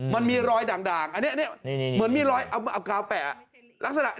มันมีรอยด่างอันนี้เหมือนมีรอยเอากาวแปะลักษณะ